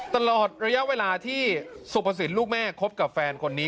ตลอดระยะเวลาที่สุภสินลูกแม่คบกับแฟนคนนี้